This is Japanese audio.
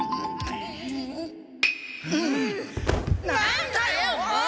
何だよもう！